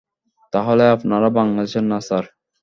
তাহলে আপনারা বাংলাদেশের না, স্যার?